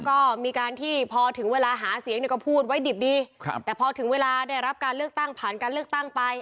ก็มีการที่พอถึงเวลาหาเสียงเนี่ยก็พูดไว้ดิบดีครับแต่พอถึงเวลาได้รับการเลือกตั้งผ่านการเลือกตั้งไป